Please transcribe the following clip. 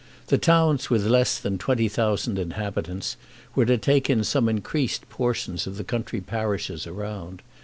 The towns with less than 20,000 inhabitants were to take in some increased portions of the country parishes around.